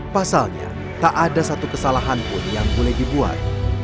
pasalnya tak ada satu kesalahan pun yang boleh dibuat